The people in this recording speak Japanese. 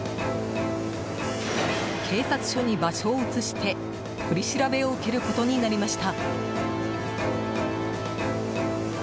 警察署に場所を移して取り調べを受けることになりました。